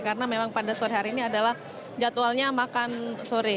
karena memang pada sore hari ini adalah jadwalnya makan sore